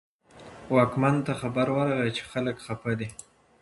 واکمن ته خبر ورغی چې خلک خپه دي.